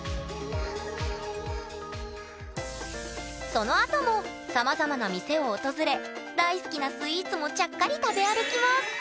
そのあともさまざまな店を訪れ大好きなスイーツもちゃっかり食べ歩きます